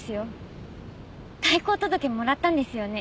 退校届もらったんですよね？